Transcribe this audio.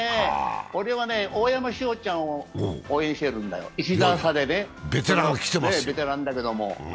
俺は大山志保ちゃんを応援しているんだよ、１打差でね、ベテランだけれども。